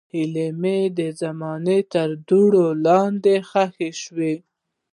هیلې مې د زمان تر دوړو لاندې ښخې شوې.